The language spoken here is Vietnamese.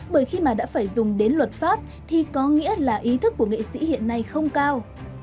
bởi khi mà đã phải dùng đến luật pháp thì có nghĩa là ý thức của nghệ sĩ hiện nay không cao